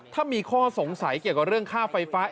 ถ้ามีข้อสงสัยเกี่ยวกับเรื่องค่าไฟฟ้า